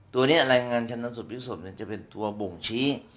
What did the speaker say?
ตัวนี้รายงานชะนัดสุดพิกษมณ์เนี่ยจะเป็นตัวบ่งชี้